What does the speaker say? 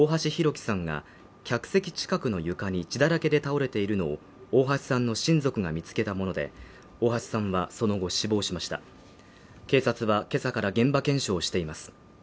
輝さんが客席近くの床に血だらけで倒れているのを大橋さんの親族が見つけたもので大橋さんはその後死亡しました警察はけさから現場検証をしています